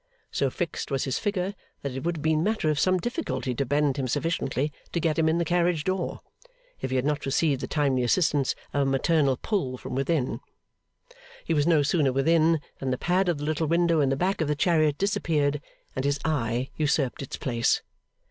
So fixed was his figure, that it would have been matter of some difficulty to bend him sufficiently to get him in the carriage door, if he had not received the timely assistance of a maternal pull from within. He was no sooner within than the pad of the little window in the back of the chariot disappeared, and his eye usurped its place.